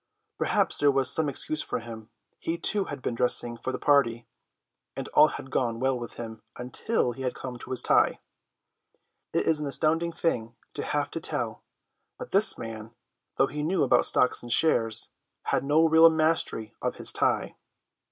Perhaps there was some excuse for him. He, too, had been dressing for the party, and all had gone well with him until he came to his tie. It is an astounding thing to have to tell, but this man, though he knew about stocks and shares, had no real mastery of his tie.